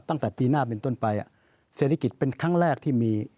ตั้งแต่ปีหน้าเป็นต้นไปเศรษฐกิจเป็นครั้งแรกที่มี